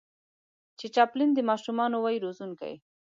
چې چاپلين د ماشومانو وای روزونکی